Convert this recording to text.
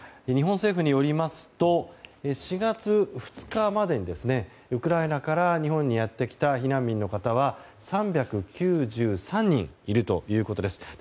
日本政府によりますと４月２日まででウクライナから日本にやって来た避難民の方は３９３人いるということです。